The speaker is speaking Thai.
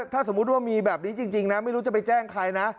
ถ้าสมมุติว่ามีแบบนี้จริงนะไม่รู้จะไปแจ้งใครนะ